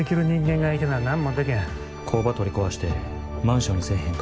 工場取り壊してマンションにせえへんか？